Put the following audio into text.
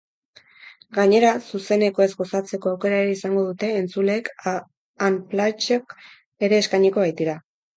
Gainera zuzenekoez gozatzeko aukera ere izango dute entzuleek unplugged-ak ere eskainiko baitira.